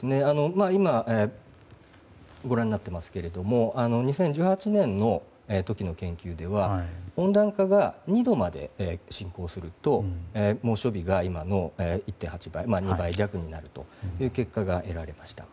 今、ご覧になっていますけれど、２０１８年の時の研究では温暖化が２度まで進行すると猛暑日が今の１．８倍２倍弱になるという結果が得られました。